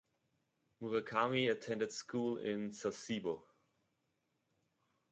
Murakami attended school in Sasebo.